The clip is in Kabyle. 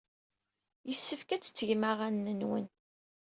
Yessefk ad tettgem aɣanen-nwen.